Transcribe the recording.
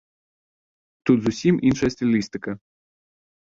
Тут зусім іншая стылістыка.